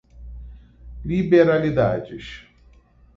liberalidades